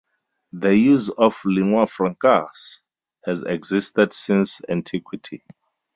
The use of "lingua francas" has existed since antiquity.